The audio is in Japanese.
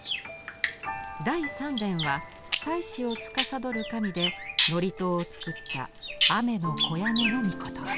第三殿は祭祀をつかさどる神で祝詞を作った天児屋根命。